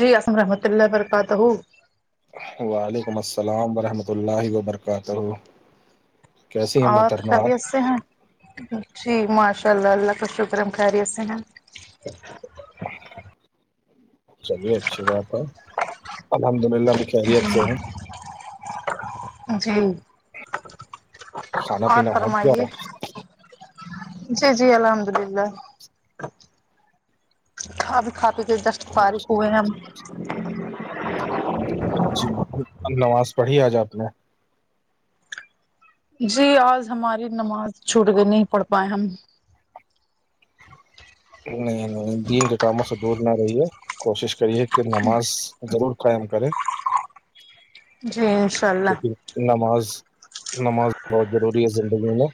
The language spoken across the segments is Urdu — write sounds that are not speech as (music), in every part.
جی الحم رحمۃ اللہ و برکاتہ وعلیکم السلام ورحمۃ اللہ وبرکاتہ کیسی ہیں اور محترمہ خری آپ ایس سے ہیں جی ماشاء اللہ اللہ کا شکرم خری سے ہیں چلیے اچھی بات ہے الحمد للہ ہم کی خیریت سے ہیں جی کھانا اور پینا ہو گیا فرمائیے جی جی الحمد اللہ ک بھی کھا پی کے دستٹ فار ہوئے ہیں ہم جی نواز پڑھی آج آپ نے جی آج ہماری نماز چھوٹ کے نہیں پڑ پائے ہم نہیں نہیں دین کے کاموں سے دور نہ رہی ہے کوشش کریے کہ نماز ضرور قائم کرے جی انشاء اللہ کیونکہ نماز نماز بہت ضروری ہے زندگی میں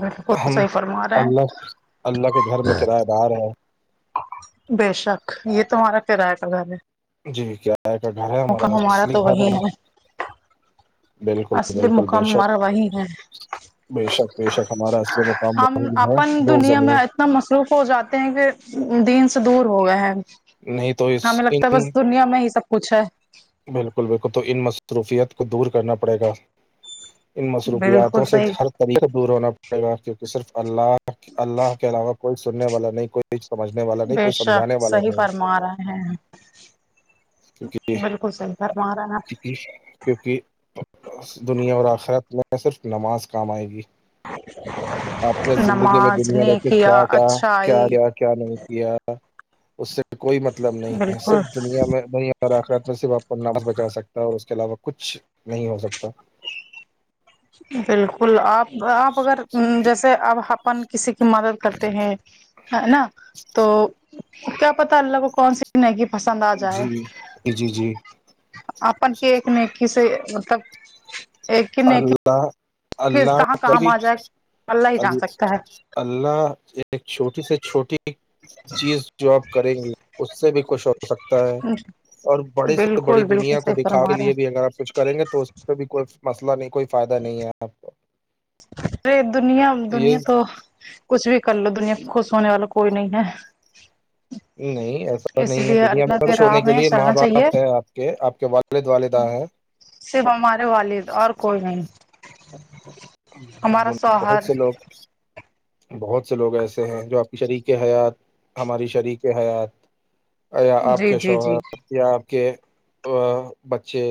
بالکل ہم صحیح فرما رہے اللہ ہیں اللہ کے گھر میں کرایہ دار رہے ہیں بے شک یہ تمہارا کرایہ کلھر ہے جی کیا کا گھر ہے ہمارا مقام اصلی تو گھر وہی والا ہے بالکل اصلی بالکل بے مقام شک ہمارا وہی ہے بے شک بےشک ہمارا ا مقام ہم اپن ب ہے دنیا زمین اتنا مصروف ہو جاتے ہیں کہ دین سے دور ہو گئے ہے نہیں تو اس ہمیں ان لگتا ہے بس دنیا میں ہی سب کچھ ہے بالکل بالکل تو ان مصروفیت کو دور کرنا پ پڑے گا ان بالکل مصروفیاتوں سے صحیح ہر طریقے سے دور ہونا پڑے گا کیونکہ صرف اللہ اللہ کے علاوہ کوئی سننے والا نہیں کوئی سمجھنے والا نہیں بے کوئی شک سمجھانے والا صحیح نہیں فرما رہے ہیں بالکل صحیح کرم رہا ن کیونکہ دنیا اور آخرت میں صرف نماز کام آئے گی آپ نے زندگی میں نماز دنیا بیے نیکیا کیا کیا کیا اچھائی کیا کیا نہیں کیا اس سے کوئی مطلب نہیں ہے بالکل صرف دنیا میں د ر آخرات میں صرف آپ کو نس بچا سکتا ہے اور اس کے علاوہ کچھ نہیں ہو سکتا بالکل آپ آپ اگر جیسے اپ اپن کسی کی مدد کرتے ہیں ہے نا تو کیا پتا اللہ کو کون سی میگی پسند آ جی جائے جی جی اپن کے ایک نیکی سے مطلب ایک ہی نیکی اللہ کس اللہ کہاں کام کای آ جائے اللہ ہی ال جان سکتا ہے اللہ ایک چھوٹی سے چھوٹی چیز جواب کریں گی اس سے بھی کچھ ہو سکتا ہے اور بڑے سے بڑی بالکل بالکل دنیا کو صحیح دکھاے کے فرما رہے لیے ہیں بھی اگر آپ کچھ کریں گے تو اس پہ بھی کوئی مسئلہ نہیں کوئی فائدہ نہیں ہے آپ کو ارے دنیا دنیا تو کچھ بھی کر لو دنیا خوش ہونے والا کوئی نہیں ہے نہیں ای پ اس نہیں ہے لیے دنیا اللہ میں خش راہ ہونے کے میں لیے ماں چلنا چاہیے باپ ہے آپ کے آپ کے والد والدہ ہیں صرف ہمارے والد اور کوئی نہیں ہمارا بہت شوہر سے لوگ بہت سے لوگ ایسے ہیں جو آپ کی شریک حیات ہماری شریک حیات یا آپ جی کے جی جی شوہر یا آپ کے ا بچے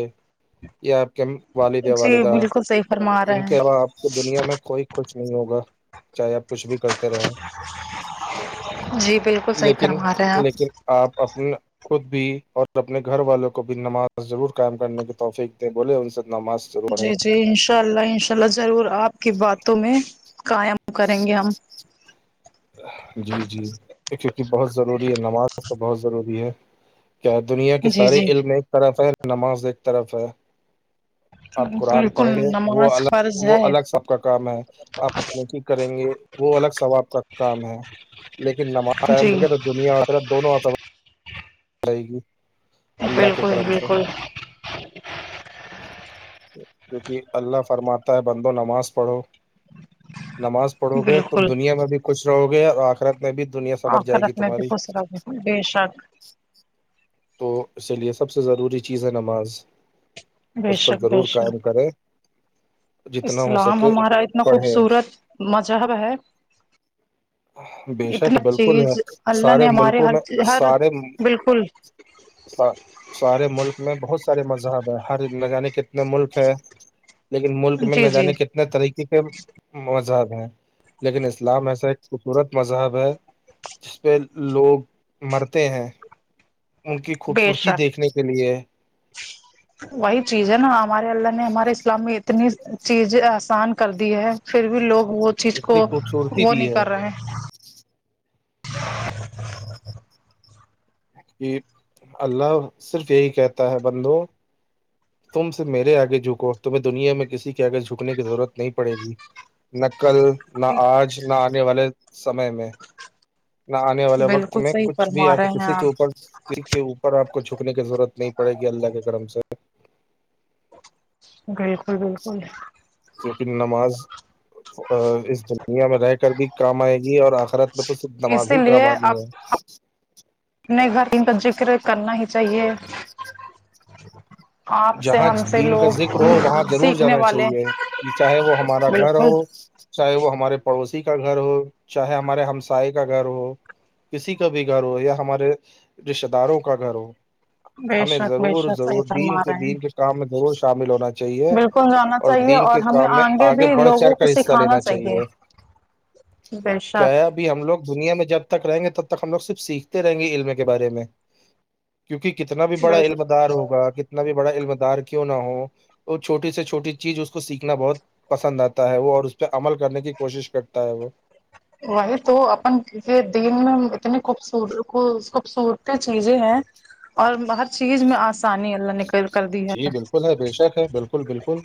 یہ آپ کے والد جی والدہ بالکل صحیح فرما رہے ان کے ہیں علاوہ آپ کو دنیا میں کوئی کچھ نہیں ہوگا چاہے آپ کچھ بھی کرتے رہے جی بالکل صحی لیکن فرما رہے ہیں آپ لیکن آپ اپنا خود بھی اور اپنے گھر والوں کو بھی نماز ضرور قائم کرنے کی توفیق دیں بولے ان سے نماز ضرور جی پڑھیں جی انشاء اللہ انشاء اللہ ضرور آپ کی باتوں میں قائم کریں گے ہم جی جی کیونکہ بہت ضروری ہے نماز تو بہت ضروری ہے کیا دنیا کے جی سارے جی علم ایک طرف ہے نماز ایک طرف ہے آپ قرآن بالکل پڑھیںے وہ نماز الگ فرض وہ ہے الگ سب کا کام ہے آپ نقی کریں گے وہ الگ ثواب کا کام ہے لیکن نماز جی دنیا آر دونوں آخ رہے گی اللہ کے بالکل کرم سے بالکل کیکہ اللہ فرماتا ہے بندو نماز پڑھو نماز پڑو گے تو بالکل دنیا میں بھی کچش رہو گے اور آخ فکرت میں بھی دنیا سبر جائے گی آخرت میں بھی تمہاری خوش رہو بے شک تو اسی لیے سب سے ضروری چیز ہے نماز بے اس پر شک بے ضرور شک قائم کریں جتنا ہو اسلام سکے ہمارا اتنا پڑھے خوبصورت مذہب ہے بےشک اتنا بالکل ہے چیز اللہ سارے نے ہمارے ملکوں ہر میں ہر سارے بالکل ہاں سارے ملک میں بہت سارے مذہب ہے ہر عنی کتنے ملک ہے لیکن ملک میں نہ جی جی جانے کتنے طریقے کے مذہب ہیں لیکن اسلام ایسا خوبصورت مذہب ہے جس پہ لوگ مرتے ہیں ان کی خوبصورتی دیکھنے کے لیے جچ وہی چیز ہے نا ہمارے اللہ نے ہمارے اسلام میں اتنی چیزیں آسان کر دی ہے پھر بھی لوگ وہ چیز اتنی کو خوبصورتی وہ دی نہیں ہے کر رہے ہیں کہ اللہ صرف یہی کہتا ہے بندو تم سے میرے آگے جھکو تمہیں دنیا میں کسی کے آگے جھکنے کی ضرورت نہیں پڑے گی نہ کل نہ آج نہ آنے والے سمے میں نہ آنے والے وقت بالکل میں صحیح کچھ بھی فرما آپ کو رہے ہیں کسی کے آپ اوپر ہ اوپر آپ کو جھکنے کی ضرورت نہیں پڑے گی اللہ کے کرم سے بالکل بالکل کیونکہ نماز اس دنیا میں رہ کر بھی کام آئے گی اور آخرت میں تو صرف نماز اسی ہی کام لیے آنی ہے اپ ایک بار کا ذکر کرنا ہی چاہیے آپ سے جہاں ہم سے دین کا لوگ ذکر ہو وہاں ضرور سیکھنے جانا والے چاہیے یہ چاہے وہ ہم مارا گھر ہو بالکل چاہے وہ ہمارے پڑوسی کا گھر ہو چاہے ہمارے ہمسائے کا گھر ہو کسی کا بھی گھر ہو یا ہمارے رشتتے داروں کا گھر ہو بے ہمیں شک بے ضرور شک صحیح ضرور دین فرما کے رہے ہیں دین کے کام میں ضرور شامل ہونا چاہ بالکل جانا چاہیے اور ہمیں میں آگے بھی بڑھ چڑھ لوگوں کو کر حصہ سکھانا لینا چاہیے کیا ہے بیشاک ابھی ہم لوگ دنیا میں جب تک رہیں گے تب تک ہم لوگ صرف سیکھتے رہیں گے علم کے بارے میں کیونکہ کتنا بھی بڑا بے علم دار ہوگا کتنا بھی بڑا علم دار کیوں نہ ہو اور چھوٹی سے چھوٹی چیز اس کو سیکھنا بہت پسند آتا ہے وہ اور اس پہ عمل کرنے کی کوشش کرتا ہے وہ وہی تو اپن یہ دین میں اتنی خوبص خوبصورتی چیزیں ہیں اور ہر چیز میں آسانی اللہ نک کر دی جی ہے بالکل بے شک ہے بالکل بالکل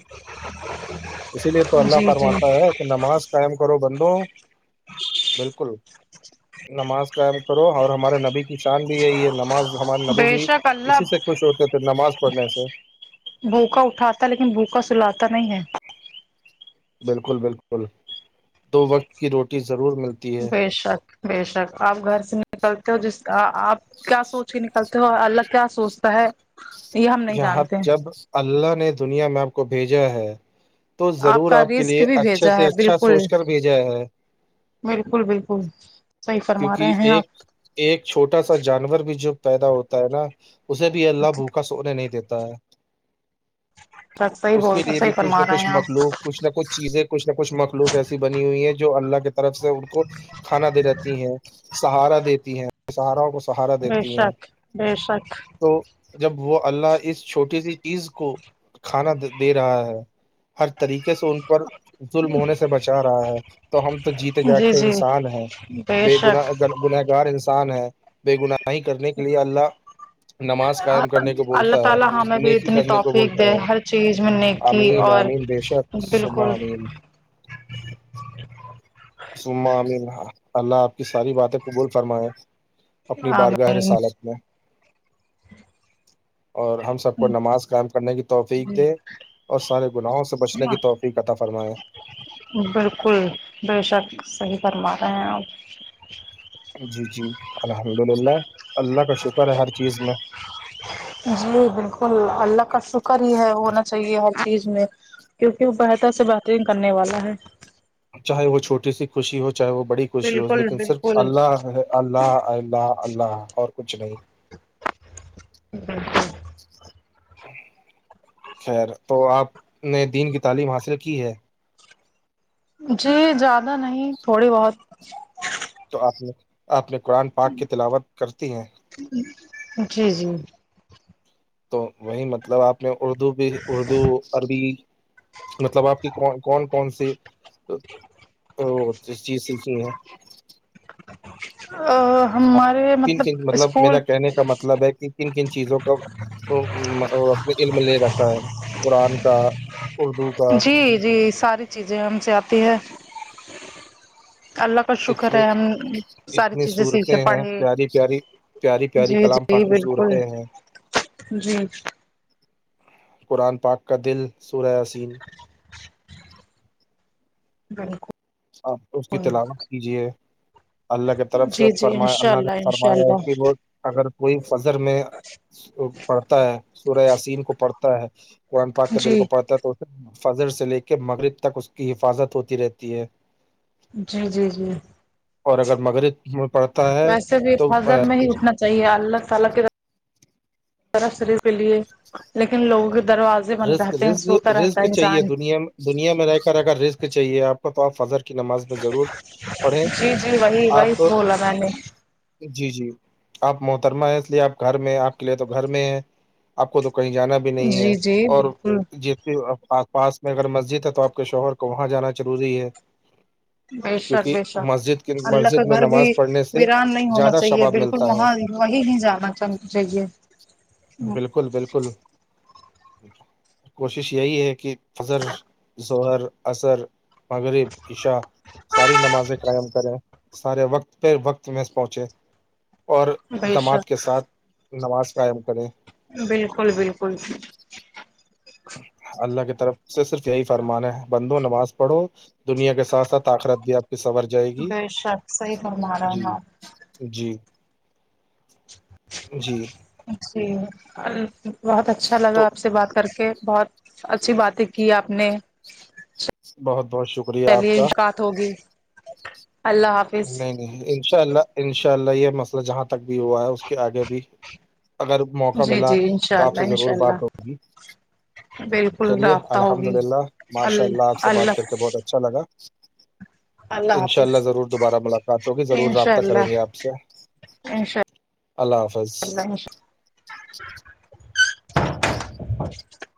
اسی لیے تو اللہ جی جی فرماتا ہے (unintelligible) کہ نماز قائم کرو بندوں بالکل نماز قائم کرو اور ہمارے نبی شان بھی ہے یہ نماز ہمارے نبی بے بھی شک اللہ اسی سے خوش ہوتے تھے نماز پڑھنے سے بھوکا اٹھاتا لیکن بھوکا سلاتا نہیں ہے بالکل بالکل دو وقت کی روٹی ضرور ملتی ہے بے شک بے شک آپ گھر سے نکلتے ہو جس آپ کیا سوچ کے نکلتے ہو اللہ کیا سوچتا ہے یہ ہم نہیں یہاں جانتے جب اللہ نے دنیا میں آپ کو بھیجا ہے تو ضرور کا آپ کے رزق لیے بھی اچھے بھیجا سے ہے اچھا بالکل سوچ کر بھیجا ہے بالکل بالکل صحیح فرما کیونکہ رہے ہیں ایک آپ ایک چھوٹا سا جانور بھی جو پیدا ہوتا ہے نا اسے بھی اللہ بھوکا سونے نہیں دیتا ہے صحیح اس بول کے لیے بھی صحیح کچھ نہ فرما رہے کچھ ہیں آپ مخلوق کچھ نہ کچھ چیزیں کچ نہ کچھ مخلوق ایسی بنی ہوئی ہیں جو اللہ کی طرف سے ان کو کھانا دے دی ہیں سہارا دیتی ہیں اپنے سہارا کو سہارا بے دیتی ہیں شک بے شک تو جب وہ اللہ اس چھوٹی سی چیز کو کھانا دے رہا ہے ہر طریقے سے ان پر ظلم ہونے سے بچا رہا ہے تو ہم تو جیتے جاگ جی کے جی انسان ہیں بے گن گنہگار انسان ہے بے گناہی کرنے کے لیے اللہ نماز قائم کرنے کو اللہ بولتا ہے تعالی ہمیں بھی نیکی اتنی کرنے کو توفیق بولتا دے ہے ہر چیز میں نیکی امین اور امین بے شک سمہ امین ج (unintelligible) ہ اللہ آپ کی ساری باتیں قبول فرمائے اپنی بارگاہ آمین رسالت میں اور ہم سب کو نماز قائم کرنے کی توقیق دے اور سارے گناہوں سے بچنے کی توفیق عطا فرمائے بالکل بے شک صحیح فرما رہے ہیں آپ (unintelligible) جی جی الحمد للہ اللہ کا شکر ہے ہر چیز میں (inaudible) جی بالکل اللہ کا شکر ہی ہے ہونا چاہیے ہر چیز میں کیونکہ وہ بہتر سے بہترین کرنے والا ہے چاہے وہ چھٹی سی خوشی ہو چاہے وہ بڑی خوشی ہو بالکل لیکن صرف بالکل اللہ اللہ اللہ اللہ اور کچھ نہیں اٹ (unintelligible) خیر تو آپ نے دین کی تعلیم حاصل کی ہے جی زیادہ نہیں تھوڑی بہت تو آپ اپپنے قرآن پاک کی تلاوت کرتی ہیں جی جی تو وہی مطلب آپ نے اردو بھی اردو عربی مطلب آپ کی کون کون کون سی ا چیز سیکھی ہے (inaudible) اب تین تین مطلب میرا کہنے کا مطلب ہے کہ کن کن چیزوں کا اپنے علم لے رتا ہے قرآن کا اردو کا جی جی ساری چیزیں ہم سے آتی ہے اللہ کا شکر اتنی ہے ہم ساری اتنی چیزیں سیکھے صورتیں ہیں پڑھے پیاری پیاری پیاری پیاری جی کلام جی باقی بالکل صورتیں ہیں (unintelligible) جی قرآن پاک کا دل سورا حسین بالکل ہاں اس کی تلاوت کیجیے اللہ کی طرف سے جی جی فرمایا انشاء اللہ نے انشاء فرمایا ہے اللہ کہ وہ اگر کوئی فضر میں پڑھتا ہے سورہ عسین کو پڑھتا ہے قرآن پاک کے دل جی کو پڑھتا ہے تو فجر سے لے کے مغرب تک اس کی حفاظت ہوتی رہتی ہے جی جی جی اور اگر مغرب میں پڑتا ہے ویسے بھی تو حضر میں ہی اٹھنا چاہیے اللہ تعال کے ترفری کے لیے لیکن لوگوں کے دروازے بند رک ر رہتے ہیں سوتا رہتا رسک ہے چاہیے انسان دنیا دنیا میں رہ کر رہ رسک چاہیے آپ کو تو آپ فضر نماز میں ضرور پڑھیں جی جی وہی آپ وہی بولا میں نے جی جی آپ محترمہ ہیں اس لیے آپ گھر میں آپ کے لیے تو گھر میں ہیں آپ کو تو کہیں جانا بھی جی جی بالکل جس آس پاس میں اگر مسجد ہے تو آپ کے شوہر کو وہاں جانا ضروری ہے بے شک کیونکہ بےشک مسجد کی اللہ کا مسجد میں گھر بھی نماز پڑھنے سے ویران نہیں ہونا زیادہ چاہیے شباب بالکل ملتا ہے وہاں وہیں نہیں جانا چ چاہیے بالکل بالکل کوشش یہی ہے کہ فذر ہر اثر مغرب ایشا ساری نمازیں قائم کریں سارے وقت پہ وقت میں پہنچے اور بے جمعاد کے شک ساتھ نماز قائم کریں بالکل بالکل اللہ کی طرف سے صرف یہی فرمان ہے بندو نماز پڑھو دنیا کے ساتھ ساتھ آخرت بھی آپ سور بے شک صحی فرم رہا ہاں جی جی جی بہت اچھا لگا تو آپ سے بات کر کے بہت اچھی باتیں کی آپ نے بہت بہت شکریہ آپ چلیے کا مشقات ہوگی اللہ حافظ نہیں نہیں ان شاء اللہ انشاء اللہ یہ مسئلہ جہاں تک بھی ہوا ہے اس کے آگے بھی اگر موقع جی ملا جی انشاء تو آپ اللہ سے انشاء ضرور بات اللہ ہوگی بالکل چلیے رابطہ الحمد ہوگی للہ ال ماشاء اللہ آپ سے بات کر کے بہت اچھا لگا اللہ ان شاء حافظ ضرور دوبارہ ملاقات ہوگی ضرور انشاء رابطہ کریں گے اللہ آپ سے انشاء اللہ اللہ حافظ انشاء (inaudible) (inaudible)